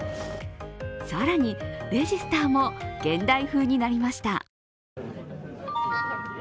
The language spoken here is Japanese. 更に、レジスターも現代風になりました。